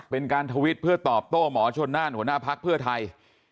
เป็นการทวิตเพื่อตอบโต้หมอชนน่านหัวหน้าพักเพื่อไทย